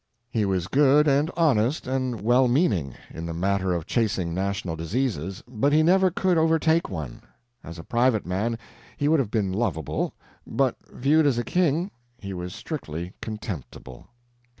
He was good, and honest, and well meaning, in the matter of chasing national diseases, but he never could overtake one. As a private man, he would have been lovable; but viewed as a king, he was strictly contemptible.